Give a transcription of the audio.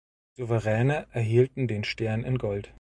Souveräne erhielten den Stern in Gold.